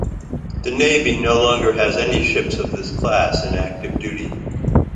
The Navy no longer has any ships of this class in active duty.